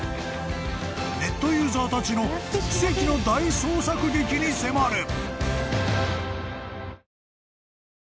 ［ネットユーザーたちの奇跡の大捜索劇に迫る！］